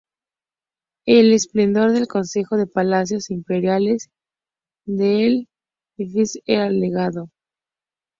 El esplendor del complejo de palacios imperiales de Ctesifonte era legendario.